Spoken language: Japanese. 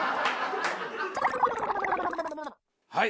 はい。